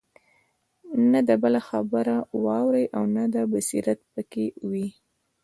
نه د بل خبره اوري او نه دا بصيرت په كي وي